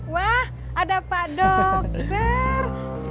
wah ada pak dokter